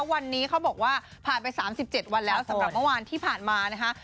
วันนี้เขาบอกว่าผ่านไป๓๗วันแล้วสำหรับเมื่อวานที่ผ่านมานะคะ